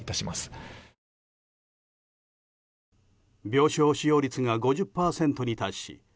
病床使用率が５０％に達し